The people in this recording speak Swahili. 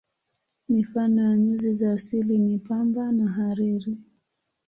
Mifano ya nyuzi za asili ni pamba na hariri.